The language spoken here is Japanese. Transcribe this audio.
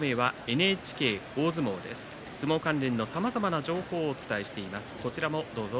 ＮＨＫ関連のさまざまな情報をお伝えしています。